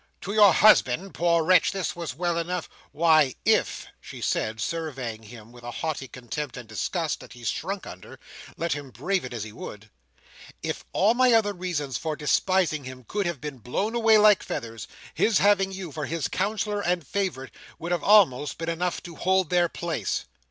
To your husband, poor wretch, this was well enough—" "Why, if," she said, surveying him with a haughty contempt and disgust, that he shrunk under, let him brave it as he would, "if all my other reasons for despising him could have been blown away like feathers, his having you for his counsellor and favourite, would have almost been enough to hold their place."